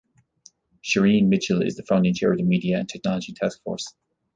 Shireen Mitchell is the founding chair of the Media and Technology taskforce.